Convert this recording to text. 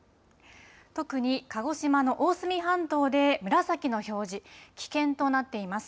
特に鹿児島の大隅半島で紫の表示、危険となっています。